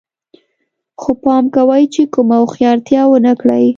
خو پام کوئ چې کومه هوښیارتیا ونه کړئ